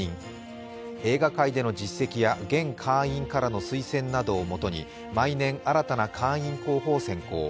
映画界での実績や現会員からの推薦などをもとに毎年、新たな会員候補を選考。